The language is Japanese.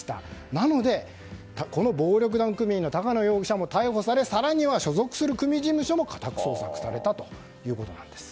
なのでこの暴力団組員の高野容疑者も逮捕され、更には所属する組事務所も家宅捜索されたんです。